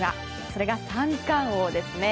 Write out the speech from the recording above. それが三冠王ですね。